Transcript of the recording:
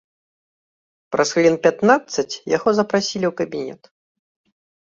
Праз хвілін пятнаццаць яго запрасілі ў кабінет.